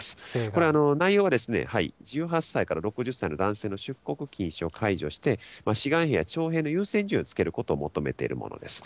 これ、内容は１８歳から６０歳の男性の出国禁止を解除して、志願兵や徴兵の優先順位をつけることを求めているものです。